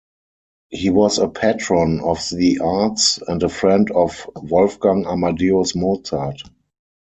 He was a patron of the arts, and a friend of Wolfgang Amadeus Mozart.